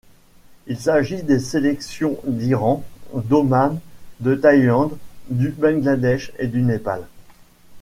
Il s'agit des sélections d'Iran, d'Oman, de Thaïlande, du Bangladesh et du Népal.